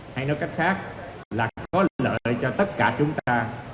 hay nói cách khác là có lợi cho tất cả chúng ta